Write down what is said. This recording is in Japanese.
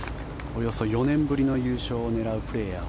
およそ４年ぶりの優勝を狙うプレーヤー。